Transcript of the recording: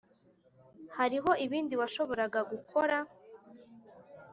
hariho ibindi washoboraga gukora?